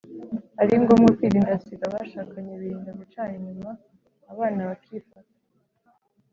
ari ngombwa kwirinda sida abashakanye birinda gucana inyuma; abana bakifata.